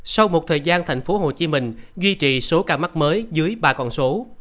sau một thời gian thành phố hồ chí minh duy trì số ca mắc mới dưới ba con số